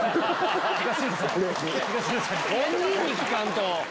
本人に聞かんと！